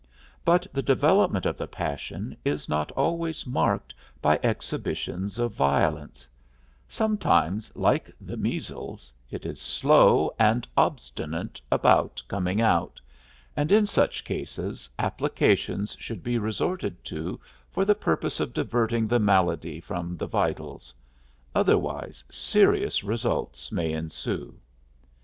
But the development of the passion is not always marked by exhibitions of violence; sometimes, like the measles, it is slow and obstinate about "coming out," and in such cases applications should be resorted to for the purpose of diverting the malady from the vitals; otherwise serious results may ensue.